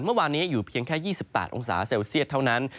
เมื่อวานนี้อยู่เพียงแค่๒๘องศาเซลเซียตเท่านั้น